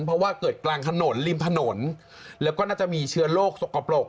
เพราะว่าเกิดกลางถนนริมถนนแล้วก็น่าจะมีเชื้อโรคสกปรก